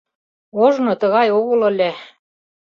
Ожно тыгай огыл ыле.